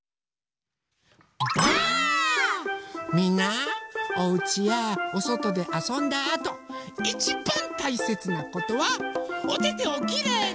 みんなおうちやおそとであそんだあといちばんたいせつなことはおててをきれいに。